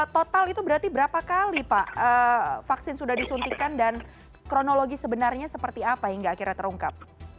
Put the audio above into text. total itu berarti berapa kali pak vaksin sudah disuntikan dan kronologi sebenarnya seperti apa hingga akhirnya terungkap